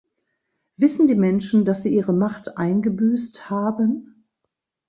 Wissen die Menschen, dass sie ihre Macht eingebüßt haben?